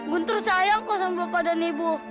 guntur sayang kau sama bapak dan ibu